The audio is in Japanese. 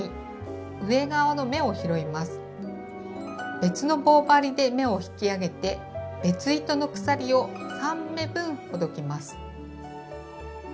別の棒針で目を引き上げて別糸の鎖を３目分ほどきます。